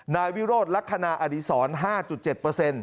นายวิโรธลักษณะอดีศร๕๗